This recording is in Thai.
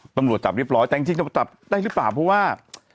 ตำรวจจับเรียบร้อยแต่จริงจะจับได้หรือเปล่าเพราะว่า